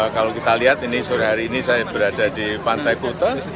kalau kita lihat ini sore hari ini saya berada di pantai kuta